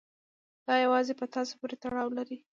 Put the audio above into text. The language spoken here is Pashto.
دا يوازې په تاسې پورې تړاو لري.